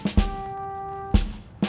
tidak enak ya